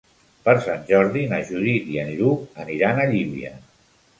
Per Sant Jordi na Judit i en Lluc aniran a Llívia.